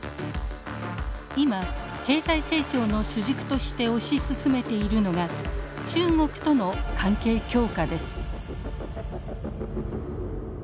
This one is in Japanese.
今経済成長の主軸として推し進めているのが中国との関係強化です。